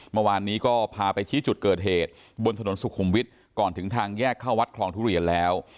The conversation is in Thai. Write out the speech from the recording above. เมื่อวานนี้ก็พาไปชี้จุดเกิดเหตุบนถนนสุขุมวิทย์ก่อนถึงทางแยกเข้าวัดคลองทุเรียนแล้ว